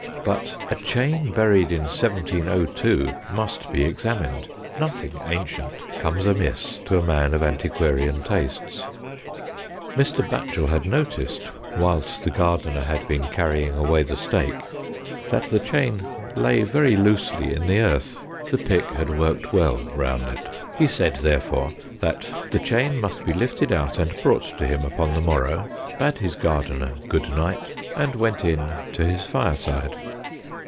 But a chain buried in 1702 must be examined — nothing ancient comes amiss to a man of antiquarian tastes. Mr. Batchel had noticed, whilst the gardener had been carrying away the stake, that the chain lay very loosely in the earth. The pick had worked well round it. He said, therefore, that the chain must be lifted out and brought to him upon the morrow, bade his gardener good night, and went in to his fireside.